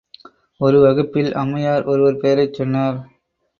ஒரு வகுப்பில் அம்மையார் ஒருவர் பெயரைச் சொன்னார்.